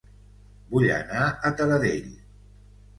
Vull anar a Taradell